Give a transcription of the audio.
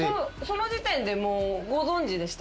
その時点でもうご存じでしたか？